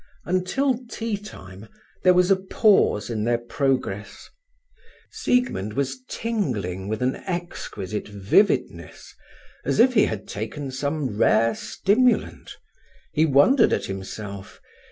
Until tea time there was a pause in their progress. Siegmund was tingling with an exquisite vividness, as if he had taken some rare stimulant. He wondered at himself.